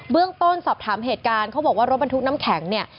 เรื่องต้นสอบถามเหตุการณ์เขาบอกว่ารถบรรทุกน้ำแข็งเนี่ย